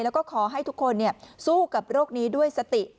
แล้วก็ขอให้ทุกคนสู้กับโรคนี้ด้วยสติ